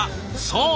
そう！